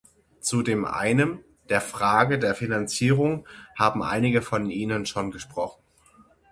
Zu dem einem, der Frage der Finanzierung, haben einige von Ihnen schon gesprochen.